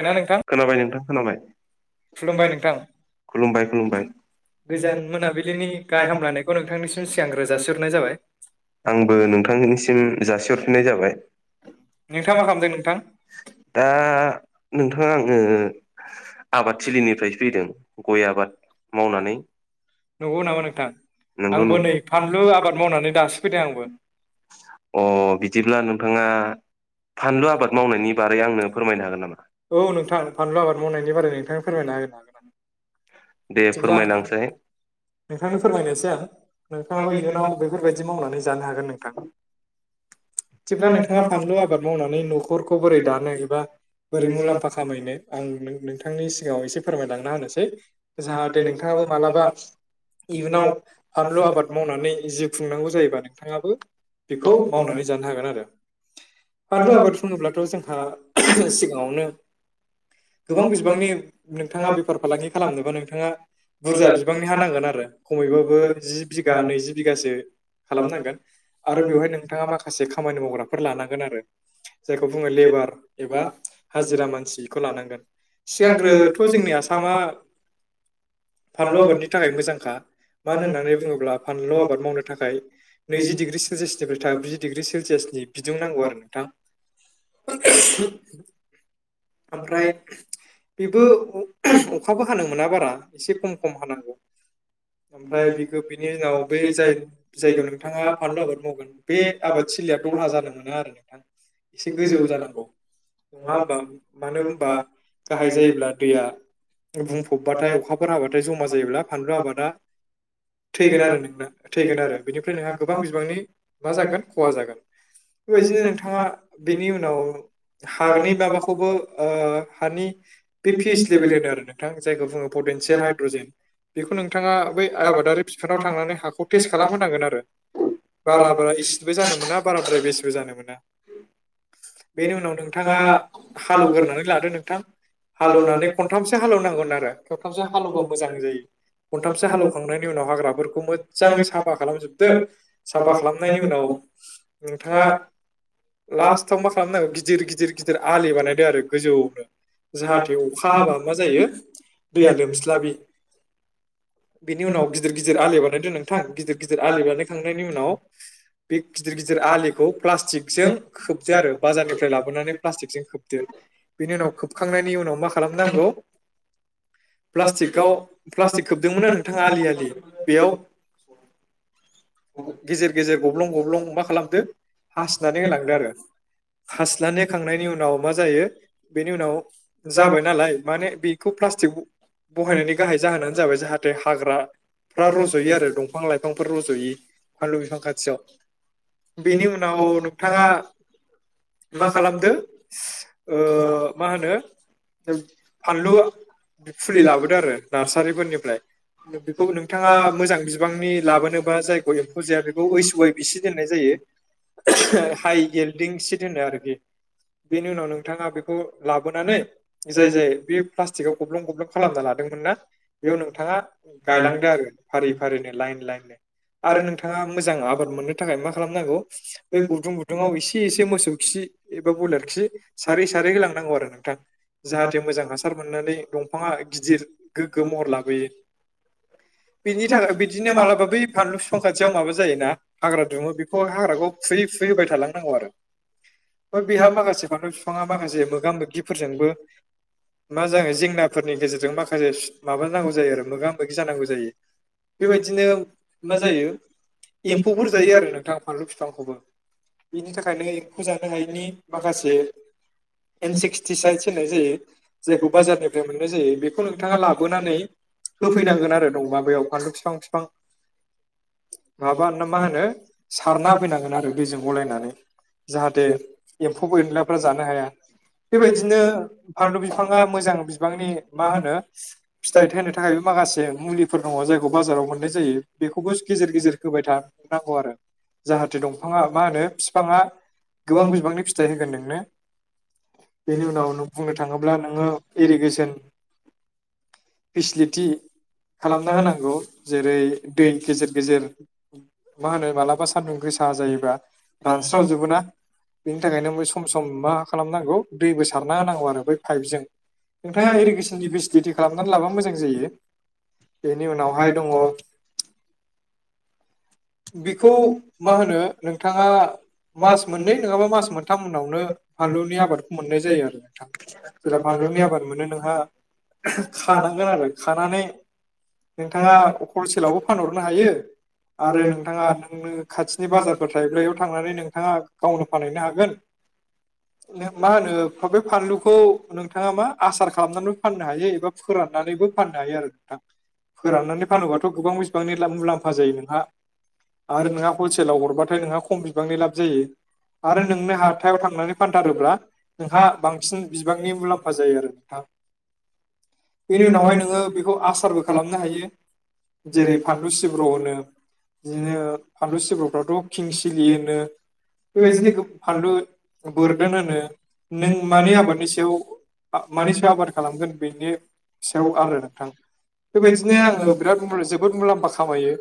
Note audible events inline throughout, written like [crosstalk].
ना नोंथां खोनाबाय नोंथां खोनाबाय। खुलुमबाय नोंथां खुलुमबाय खुलुमबाय। गोजान मोनाबिलिनि गाहाय हामलायनायखौ नोंथांनिसिम सिगांग्रो जासिहरनाय जाबाय [unintelligible] आंबो नोंथांनिसिम जासिहर नाय जाबाय नोंथाङा मा खालामदों नोंथां दा नोंथाङा आङो आबादथिलिनिफ्राय फैदों गय आबाद मावनानै नंगौ नामा नोंथां नंगौ आंबो नंगौ नै फानलु आबाद मावनानै दासो फैदों आंबो अ बिदिब्ला नोंथाङा फानलु आबाद मावनायनि बारै आंनो फोरमायनो हागोन नामा औ नोंथां फानलु आबाद मावनायनिबारै नोंथाङा फोरमायनो होगोन दे फोरमायलांसाय नोंथांनो फोरमायनोसै आं नोंथाङाबो इयुनाव बेफोरबायदि मावनानै जानो हागोन नोंथां जेब्ला नोंथाङा फानलु आबाद मावनानै नखरखौ बोरै दानो एबा बोरै मुलाम्फा खामायनो आं नों नोंथांनि सिगाङाव एसे फोरमायलांना होनोसै जाहाथे नोंथाङा मालाबा इयुनाव फानलु आबाद मावनानै जिउ खुंनांगौ जायोबा नोंथाङाबो बेखौ मावनानै जानो नो हागोन आरो बानलु आबाद बुङोब्लाथ जोंहा सिगाङावनो गोबां बिबांनि नोंथाङा बेफार फालांगि खालामनोबा नोंथाङा बुरजा बिबांनि हा नांगोन आरो खमैबाबबो जि बिघा नैजि बिघासो खालामनांगोन आरो बेवहाय नोंथाङा माखासे खामानि मावग्राफोर लानांगोन आरो जायखौ बुङो लेबार एबा हाजिरा मानसिखौ लानांगोन सिगांग्रोथ जोंनि आसामा फानलु बानलु आबादनि आबाद थाखाय मोजांखा मानो होननानै बुङोब्ला फानलु आबाद मावनो थाखाय नैजि डिग्रि सेलसियासनिफ्राय था ब्रैजि डिग्रि सेलसियासनि बिदुं नांगौ आरो नोंथां ओमफ्राय बेबो अखाबो हानो मोना बारा एसे खम खम हानांगौ ओमफ्राय बेखौ बिनि उनाव बे जाय जायगायाव नोंथाङा फानलु आबाद मावगोन बे आबादथिलि दरहा जानो मोना आरो नोंथां एसे गोजौ जानांगौ नङा होमबा मानो हबा गाहाय जायोब्ला दैया बुंफबबाथाय अखाफोर हाबाथाय जमा जायोब्ला फानलु आबादा ! ! ! थैगोन आरो नोंना थैगोन आरो बेनिफ्राय नोंहा गोबां बिबांनि मा जागोन खहा जागोन बेबायदिनो नोंथाङा बेनि उनाव हानि माबाखौबो ओ हानि बे फिस लेभेल होनो आरो नोंथां जायखौ बुङो बे नबेल हायद्रजेन बेखौ नोंथाङा बै आ बिफानाव थांनानै हाखौ टेस्ट खालामहोनांगोन आरो बारा बारा इसिबो जानो मोना बाराद्राय बेसिबो जानो मोना बेनि उनाव नोंथाङा हालवग्रनानै लादो नोंथां हालेवनानै खनथामसो हालेवनांगोन आरो खेबथामसो हालेवबा मोजां जायो खनथामसो हालेवखांनायनि उनाव हाग्राफोरखौ मोजाङै साफा खालामजोबदो साफा खालामनायनि उनाव औ नोंथाङा लास्टाव मा खालामनांगौ गिदिर गिदिर गिदिर आलि बानायदों आरो गोजौनो जाहाथे अखा हाबा मा जायो दैया लोमस्लाबि बेनि उनाव गिदिर गिदिर आलि बानायदों नोंथां गिदिर गिदिर आलि बानायखांनायनि उनाव बे गिदिर गिदिर आलिखौ प्लास्टिकजों खोबदो आरो बाजारनिफ्राय लाबोनानै प्लास्टिकजों खोबदो बेनि उनाव खोबखांनायनि उनाव मा खालामनांगौ प्लास्टिकआव प्लास्टिक खोबदोंमोना नोंथाङा आलि आलि बेयाव गेजेर गेजेर गब्लं गब्लं मा खालामदो हासिनानै होलांदो आरो हासिनानै होखांनायनि उनाव मा जायो बेनि उनाव जाबाय नालाय माने बेखौ प्लास्टिक बहायनायनि गाहाय जाहोनानो जाबाय जाहाथे हाग्राफ्रा रज'यो आरो दंफां लाइफ बिफांफोर रज'यि फानलु बिफां खाथियाव। बेनि उनाव नोंथाङा मा खालामदो? ओ मा होनो जों फानलु फुलि लाबोदो आरो। नार्सारिफोरनिफ्राय बिखौ नोंथाङा मोजां बिबांनि लाबोनोबा जायखौ एब फुजाया बिखौ ओइच वाइ बिचि दोननाय जायो। [unintelligible] हाइ गेल्दिं सिट होनो आरोबि। बेनि उनाव नोंथाङा बेखौ लाबोनानै जाय जाय बिब प्लास्टिकआव गब्लं गब्लं खालामना लादोंमोन ना? बेयाव नोंथाङा गायलांदो आरो फारि फारिनो लाइन लाइननो। आरो नोंथाङा मोजां आबाद मोननो थाखाय मा खालामनांगौ बे गुदुं गुदुाव एसे एसे मोसौ खि एबा बयलार खि सारै सारै होलांनांगौ आरो नोंथां जाहाथे मोजां हासार मोननानै दंफांआ आय गिदिर गोग्गो महर लाबोयो। बेनि थाखाय बिदिनो मालाबा बै फानलु बिफां खाथियाव माबा जायो ना हाग्रा दुमो बेखौ हाग्राखौ फुयै फु फै होबाय थालांनांगौ आरो। ओ बेहा माखासे फानलौ बिफाङा माखासे मोगा मोगिफोरजोंबो मा जागोनो जेंनाफोरनि गेजेरजों माखासे सु माबानांगौ जायो आरो मोगा मोगि जानांगौ जायो। बेबायदिनो मा जायो एम्फौफोर जायो आरो नोंथां फानलु बिफांखौबो। बिनि थाखायनो एम्फौ जानो हायैनि माखासे इनसिक्टिसाइदस होननाय जायो जायखौ बाजारनिफ्राय मोननाय जायो बेखौ नोंथाङा लाब बोनानै होफैनांगोन आरो दंबा बेयाव फानलु फिफां फिफां। माबा ना मा होनो सारना होफैनांगोन आरो दैजों। गलायनानै जाहाथे एम्फौ एनलाफ्रा जानो हाया। बेबायदिनो फानलु बिफाङा मोजां बिबांनि मा होनो फिथाइ थाइनो थाखाय माखासे मुलिफोर दङ जायखौ बाजाराव मोननै जायो बेखौबो गेजेर गेजेर होबाय था नांगौ आरो। जाहाथे दंफाङा मा होनो फिफाङा गोबां बिबांनि फिथाइ होगोन नोंनो। बेनि उनाव नों बुंनो थाङोब्ला नोङो इरिगोसोन फिसलिटि खालामना होनांगौ। जेरै दै गेजेर गेजेर मा होनो मालाबा सान्दुं गोसा जायोबा रानस्रावजोबो ना? बेनि थाखायनो मै सम सम मा खालामनांगौ दैबो सारना होनांगौ आरो बै पाइपजों। नोंथाङा इरिगेसननि बिसटेटिब खालामना लाबा मोजां जायो। बेनि उनावहाय दङ। बिखौ मा होनो नोंथाङा मास मोननै नङाबा मास मोनथाम उनावनो फानलुनि आबादखौ मोननाय जायो आरो नोंथां। जेला फानलुनि आबाद मोनो नोंहा ओहो खानांगोन आरो खानानै नोंथाङा हलसेलावबो फानहरनो हायो। आरो नोंथाङा नोंनो खाथिनि बाजारफोर थाराइब्रैयाव थांनानै नोंथाङा गावनो फानहैनो हागोन? नो मा होनो बे फानलुखौ नोंथाङा मा आसार खालामनानै फाननो हायो। एबा फोराननानैबो फाननो हायो आरो नोंथां। फोराननानै फानोबाथ' गोबां बिसिबांनि लाब मुलाम्फा जायो नोंहा? आरो नोंहा हलसेलाव हरबाथाय नोंहा खम बिबांनि लाब जायो आरो नोंनो हाथायाव थांनानै फानथारोब्ला नोंहा बांसिन बिबांनि मुलाम्फा जायो आरो नोंथां। बेनि उनावहाय नोङो बिखौ आसारबो खालामनो हायो। जेरै फानलु सिब्र' होनो। बिदिनो फानलु सिब्रुफ्राथ' खिं सिलियोनो। बेबायदिनो गोब फानलु बोरदोन होनो नों माने आबादनि सायाव आ मानि सायाव आबाद खालामगोन बि सायाव आरो नोंथां। बेबायदिनो आङो बिराद मो जोबोद मुलाम्फा खामायो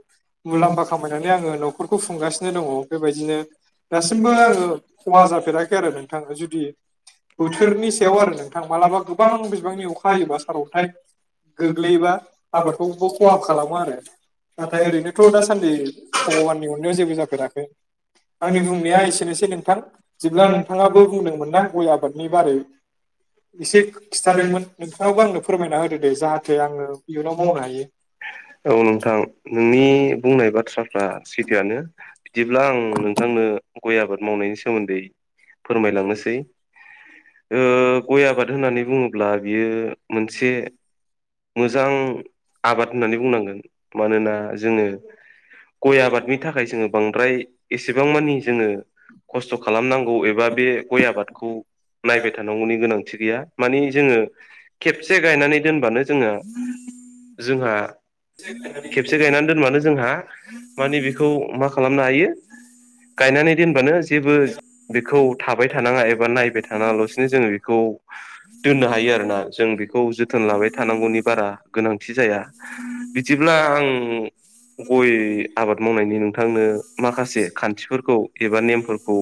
मुलाम्फा खामायनानै आङो न'खरखौ खुंगा सिनो दङ' बेबायदिनो दासिमबो आङो खहा जाफेराखै आरो नोंथां जुदि बोथोरनि सायाव आरो नोंथां मालाबा गोबां बिबांनि अखा हायोबा सारन्थाइ गोग्लैयोबा आबादखौबो खहा खालामो आरो। नाथाय ओरैनोथ' दासान्दि भगवाननि अननायाव जेबो जाफेराखै। आंनि बुंनाया एसेनोसै नोंथां। बिदिब्ला नोंथाङाबो बुंदोंमोनना गय आबादनि बारै एसे खिथादोंमोन नोंथाङाबो आंनो फोरमायना होदो दे जाहाथे आंङो इयुनाव मावनो हायो औ नोंथां नोंनि बुंनाय बाथ थ्राफ्रा सैथोआनो बिदिब्ला आं नोंथांनो गय आबाद मावनायनि सोमोन्दै फोरमायलांनोसै ओ गय आबाद होननानै बुङोब्ला बियो मोनसे मोजां आबाद होननानै बुंनांगोन मानोना जोङो गय आबादनि थाखाय जोङो बांद्राय एसेबां मानि जोङो खस्थ' खालामनांगौ एबा बे गय आबादखौ नायबाय थानांगौनि गोनां थि गैया माने जोङो खेबसे गायनानै दोनबानो जोङो जोंहा खेबसे गायनानै दोनबानो जोंहा माने बेखौ मा खालामनो हायो गायनानै दोनबानो जेबो बेखौ थाबाय थानाङा एबा नायबाय था नाङा लसिनो जोङो इखौ दोननो हायो आरोना जों बेखौ जोथोन लाबाय थानांगौनि बारा गोनांथि जाया बि जेब्ला आं गय आबाद मावनायनि नोंथांनो माखासे खान्थिफोरखौ एबा नेमफोरखौ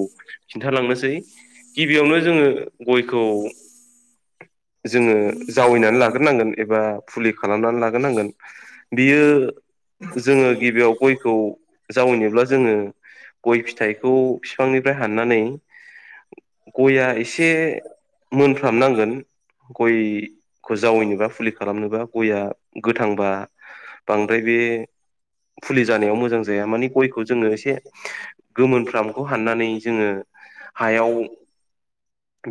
खिन्थालांनोसै गिबियावनो जोङो गयखौ [inaudible] जोङो जावैनानै लाग्रोनांगोन एबा फुलि खालामनानै लाग्रोनांगोन बियो जोङो गिबियाव गयखौ जावैनोब्ला जोङो गय फिथाइखौ फिफांनिफ्राय हाननानै गया एसे मोनफ्राम नांगोन गयखौ जावैनोबा फुलि खालामनोबा गया गोथांबा बांद्राय बे बे फुलि जानायाव मोजां जाया माने गयखौ जोङो एसे गोमोनफ्रामखौ हाननानै जोङो हायाव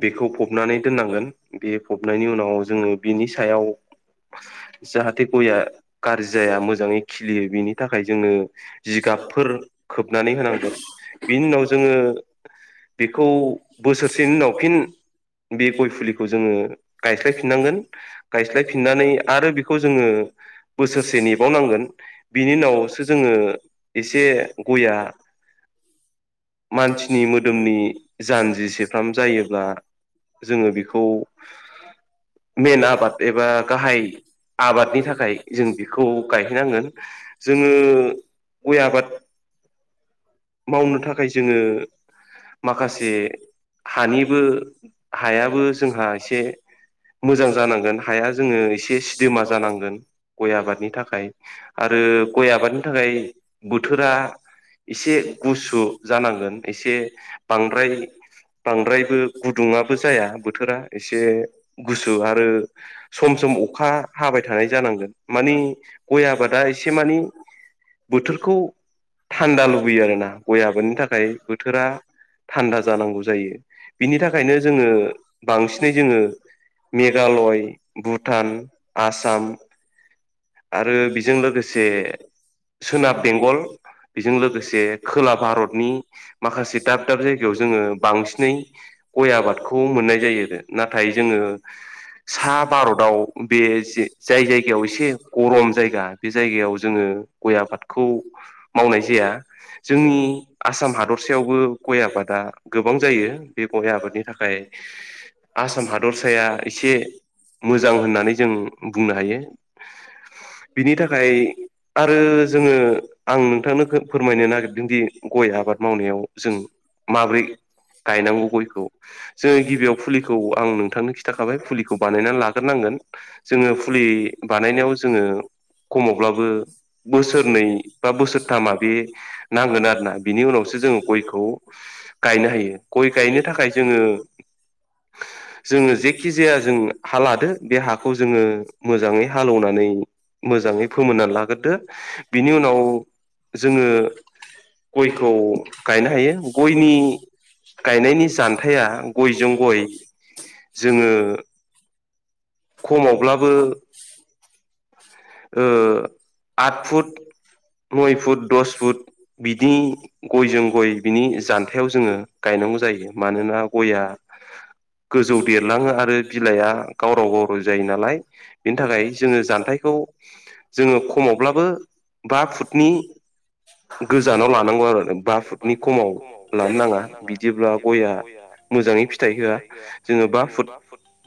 बेखौ फबनानै दोननांगोन बे फबनायनि उनाव जोङो बिनि सायाव जाहाथे गया गाज्रि जाया मोजाङै खिलियो बिनि थाखाय जोंनो जिगा गाबफोर खोबनानै होनांगोन बिनि उनाव जोङो बेखौ बोसोरसेनि उनाव फिन बे गय फुलिखौ जोङो गायस्लायफिननांगोन गायस्लायफिननानै आरो बेखौ जोङो बोसोरसे नेबाव नांगोन बिनि उनावसो जोङो एसे गया मानसिनि मोदोमनि जानजिसेफ्राम जायोब्ला जोङो बेखौ मेन आबाद एबा गाहाय आबादनि थाखाय जों बेखौ गायहैनांगोन जोङो गय आबाद मावनो थाखाय जोङो माखासे हानिबो हायाबो जोंहा एसे मोजां जानांगोन हाया जोङो एसे सिदोमा जानांगोन गय आबादनि थाखाय आरो गय आबादनि थाखाय बोथोरा एसे गुसु जानांगोन एसे बांद्राय बांद्रायबो गुदुङाबो जाया बोथोरा एसे गुसु आरो सम सम अखा हाबाय थानाय बोथोरखौ थान्दा लुबैयो आरोना गय आबोनि थाखाय बोथोरा। थान्दा जानांगौ जायो बिनि थाखायनो जोङो बांसिनै जोङो मेघालय भुटान आसाम। आरो बेजों लोगोसे सोनाब बेंगल बेजों लोगोसे। खोला भारतनि माखासे दाब दाब जायगायाव जोङो बांसिनै गय आबादखौ मोनना नाय जायो आरो नाथाय जोङो सा भारताव बे जे जाय जायगायाव एसे ग जायगा बे जायगायाव जोङो गय आबादखौ मावनाय जाया। जोंनि आसाम हादरसेयावबो गय आबादा गोबां जायो बे गय आबादनि थाखाय। [inaudible] आसाम हादरसाया एसे मोजां होननानै जों बुंनो हायो। बिनि थाखाय आरो जोङो आं नोंथांनो खो फोरमायनो नागिर दों दि गय आबाद मावनायाव जों माब्रै गायनांगौ गयखौ जोङो गिबियाव फुलिखौ आं नोंथांनो खिन्थाखाबाय फुलिखौ बानायनानै लाग्रोनांगोन। जोङो फुलि बानायनायाव जोङो खमावब्लाबो बोसोरनै बा बोसोरथामा बे नांगोन आरोना बिनि उनावसो जोङो गयखौ गायनो हायो गय गायनो थाखाय जोङो [unintelligible] जोङो जेखि जाया जों हा लादो बे हाखौ जोङो मोजाङै हालेवनानै मोजाङै फोमोननानै लाग्रोदो बिनि उनाव जोङो गयखौ गायनो हायो गयनि गायनायनि जानथाया गयजों गय [unintelligible] जोङो खमावब्लाबो [unintelligible] ओ आद फुट [unintelligible] नय फुट दस फुट बिदि गयजों गय बिनि जान्थायाव जोङो गायनांगौ जायो मानोना गया। गोजौ देरलाङो आरो बिलाइआ गावराव-गावराव जायो नालाय बेनि थाखाय जोङो जानथायखौ। जोङो खमावब्लाबो बा फुटनि। गोजानाव लानांगौ आरो बा फुटनि खमाव लानो नाङा बिदिब्ला गयआ। मोजाङै फिथाइ होआ। जोङो बा फुट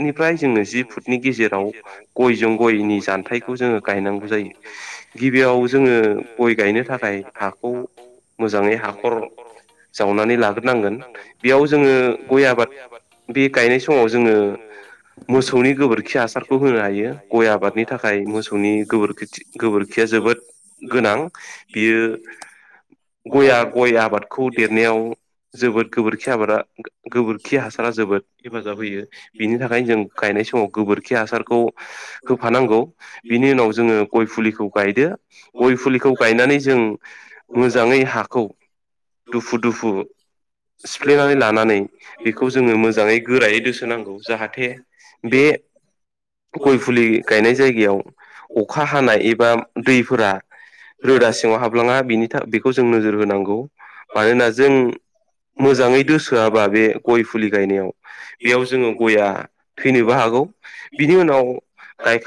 निफ्राय जोङो जि फुटनि गेजेराव गयजों गयनि जान्थायाइखौ जोङो। गायनांगौ जायो गिबियाव जोङो गय गायनो थाखायश थाखाय हाखौ। मोजाङै हाखर जावनानै लाग्रोनांगोन बेयाव जोङो गय आबाद। बे गायनाय समाव जोङो। मोसौनि गोबोरखि हासारखौ होनो हायो गय आबादनि थाखाय मोसौनि गोबोरखि थि गोबोरखिया जो जोबोद गोनां बियो [unintelligible] गया-गय आबादखौ देरनायाव जोबोद गोबोरखि आबादा गोबोरखि हासारा जोबोद। हेफाजाब होयो बेनि थाखायनो जों गायनाय समाव गोबोरखि हासारखौ होफानांगौ। बिनि उनाव जोङो गय फुलिखौ गायदो गय फुलिखौ गायनानै जों। मोजाङै हाखौ। दुफु-दुफु सिफ्लेनानै लानानै बेखौ जोङो मोजाङै गोरायै दोसोनांगौ जाहाथे बे गय फुलि गायनाय जायगायाव अखा हानाय एबा दैफोरा रोदा सिङाव हाबलाङा बेनि था बेखौ जों नोजोर होनांगौ मानोना जों मोजाङै दोसोआबा बे गय फुलि गायनायाव‌ बेयाव जोङो गया थैनोबो हागौ बिनि उनाव गायखां